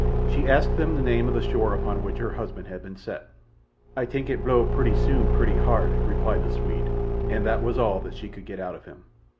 She asked him the name of the shore upon which her husband had been set. "Ay tank it blow purty soon purty hard," replied the Swede, and that was all that she could get out of him.